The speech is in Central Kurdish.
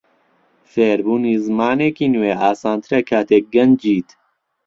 فێربوونی زمانێکی نوێ ئاسانترە کاتێک گەنجیت.